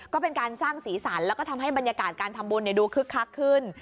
ก็เป็นการสร้างสีสันแล้วก็ทำให้บรรยากาศการทำบุญดูคึกคักขึ้น